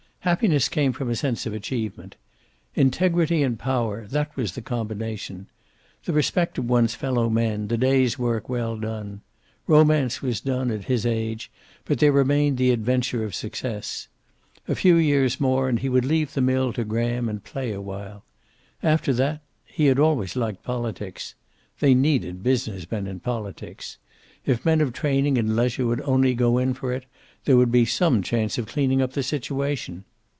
Happiness came from a sense of achievement. Integrity and power, that was the combination. The respect of one's fellow men, the day's work well done. Romance was done, at his age, but there remained the adventure of success. A few years more, and he would leave the mill to Graham and play awhile. After that he had always liked politics. They needed business men in politics. If men of training and leisure would only go in for it there would be some chance of cleaning up the situation.